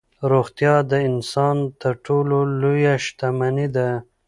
روغتیا د انسان تر ټولو لویه شتمني ده.